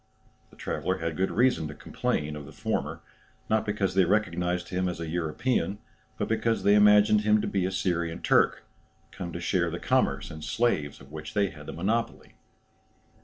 The traveller had good reason to complain of the former, not because they recognized him as a European, but because they imagined him to be a Syrian Turk, come to share the commerce in slaves of which they had the monopoly.